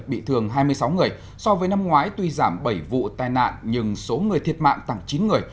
bị thương hai mươi sáu người so với năm ngoái tuy giảm bảy vụ tai nạn nhưng số người thiệt mạng tăng chín người